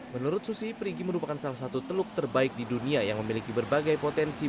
menurut susi perigi merupakan salah satu teluk terbaik di dunia yang memiliki berbagai potensi